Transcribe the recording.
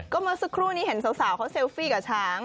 เมื่อสักครู่นี้เห็นสาวเขาเซลฟี่กับช้าง